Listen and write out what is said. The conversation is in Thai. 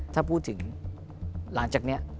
ถ้าพูดถึงหลังจากนี้